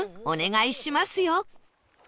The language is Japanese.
お願いしますよ